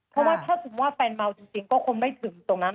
เพราะถ้าแฟนเมียเม้าจริงก็คงไม่ถึงตรงนั้น